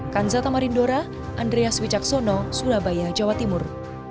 kanzata marindora andreas wicaksono surabaya jawa timur